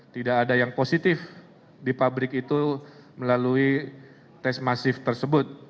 tidak ada yang positif di pabrik itu melalui tes masif tersebut